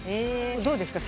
どうですか？